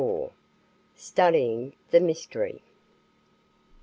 STUDYING THE MYSTERY.